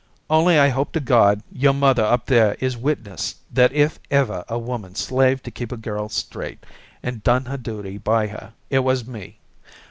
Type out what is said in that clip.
Only I hope to God your mother up there is witness that if ever a woman slaved to keep a girl straight and done her duty by her it was me.